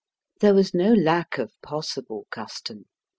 There was no lack of possible custom.